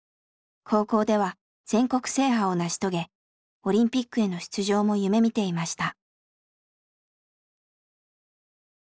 高校では全国制覇を成し遂げオリンピックへの出場も夢みていました。